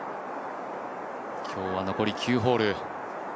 今日は残り９ホール。